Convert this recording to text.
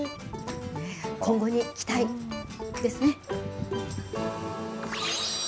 今後に期待ですね。